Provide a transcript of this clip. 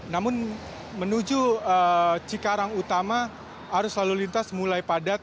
namun menuju cikarang utama arus lalu lintas mulai padat